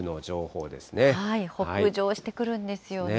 北上してくるんですよね。